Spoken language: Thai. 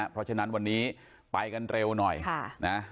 เพราะฉะนั้นวันนี้ไปกันเร็วหน่อยนะ